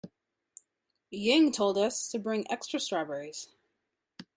Ying told us to bring extra strawberries.